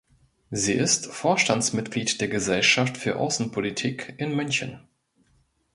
Sie ist Vorstandsmitglied der Gesellschaft für Außenpolitik in München.